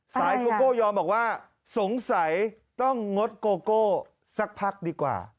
โกโก้ยอมบอกว่าสงสัยต้องงดโกโก้สักพักดีกว่า